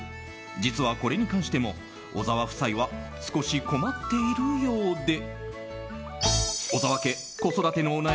実は、これに関しても小澤夫妻は少し困っているようで。